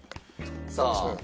さあ。